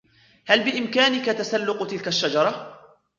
هل بإمكانك تسلق تلك الشجرة؟